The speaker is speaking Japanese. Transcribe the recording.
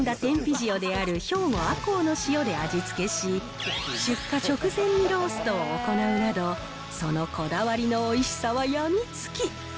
塩である兵庫・赤穂の塩で味付けし、出荷直前にローストを行うなど、そのこだわりのおいしさは病みつき。